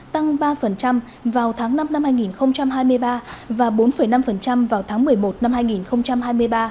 tăng ba vào tháng năm năm hai nghìn hai mươi ba và bốn năm vào tháng một mươi một năm hai nghìn hai mươi ba